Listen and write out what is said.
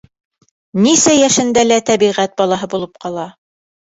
Нисә йәшендә лә тәбиғәт балаһы булып ҡала.